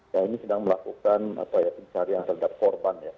ya ini sedang melakukan pencari yang terhadap korban ya